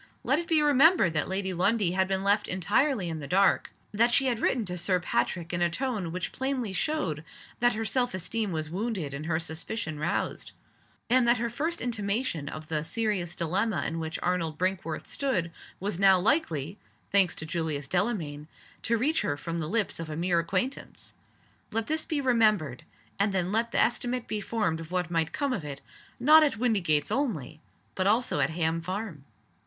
Let it be remembered that Lady Lundie had been left entirely in the dark that she had written to Sir Patrick in a tone which plainly showed that her self esteem was wounded and her suspicion roused and that her first intimation of the serious dilemma in which Arnold Brinkworth stood was now likely, thanks to Julius Delamayn, to reach her from the lips of a mere acquaintance. Let this be remembered; and then let the estimate be formed of what might come of it not at Windygates only, but also at Ham Farm!